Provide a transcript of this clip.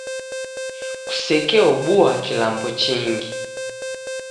Kusekeobua kilambo chingi